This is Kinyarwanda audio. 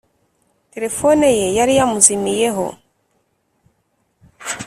Telefone ye yari yamuzimiyeho